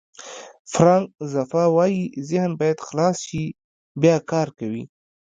فرانک زفا وایي ذهن باید خلاص شي بیا کار کوي.